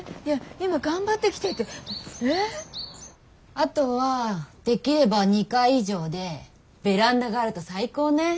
あとはできれば２階以上でベランダがあると最高ねぇ。